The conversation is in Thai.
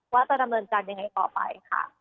ว่าจะดำเนินจันทีย์ยังไงต่อไปค่ะ